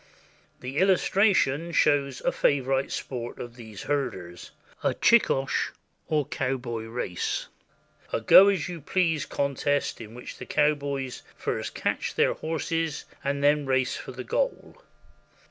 The illustration shows a favorite sport of these herders — a Csikos (cowboy) race, a go as you please contest in which the cowboys first catch their horses and then race for the goal.